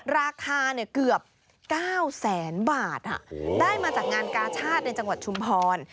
ราคาเกือบ๙แสนบาทได้มาจากงานกาชาติในจังหวัดชุมพร